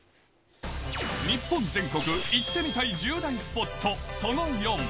日本全国行ってみたい１０大スポット、その４。